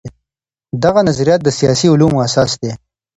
دغه نظريات د سياسي علومو اساس دي.